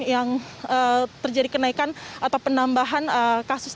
yang terjadi kenaikan atau penambahan kasus